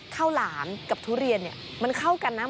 หลามกับทุเรียนเนี่ยมันเข้ากันนะ